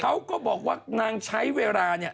เขาก็บอกว่านางใช้เวลาเนี่ย